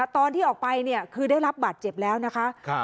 ตอนที่ออกไปเนี่ยคือได้รับบาดเจ็บแล้วนะคะ